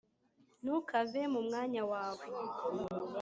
ntukave mu mwanya wawe